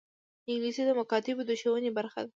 انګلیسي د مکاتبو د ښوونې برخه ده